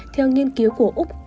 theo nghiên cứu của úc